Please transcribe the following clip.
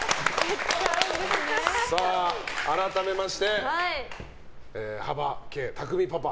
改めまして幅家、拓海パパ。